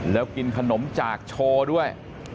แล้วกินขนมจากโชว์ด้วย